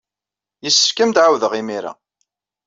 Yessefk ad am-d-ɛawdeɣ imir-a.